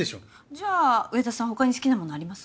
じゃあ上田さん他に好きなものあります？